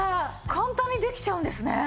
簡単にできちゃうんですね！